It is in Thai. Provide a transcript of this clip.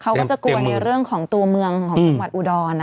เขาก็จะกลัวในเรื่องของตัวเมืองของจังหวัดอุดร